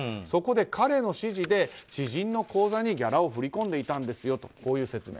そこで彼の指示で知人の口座にギャラを振り込んでいたんですよ